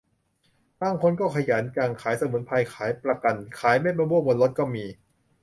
บางคนก็ขยันจัง ขายสมุนไพร ขายประกัน ขายเม็ดมะม่วงบนรถก็มี